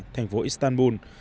thành phố istanbul